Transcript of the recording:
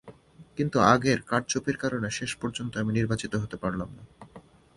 কিন্তু আগের কারচুপির কারণে শেষ পর্যন্ত আমি নির্বাচিত হতে পারলাম না।